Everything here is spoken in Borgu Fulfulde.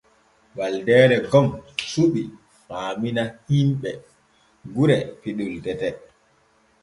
Waldeere gom suɓi faamina himɓe gure piɗol tete.